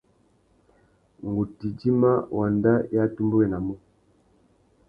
Ngu tà idjima wanda i atumbéwénamú.